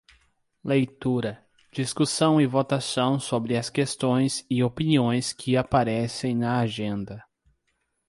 Leitura, discussão e votação sobre as questões e opiniões que aparecem na agenda.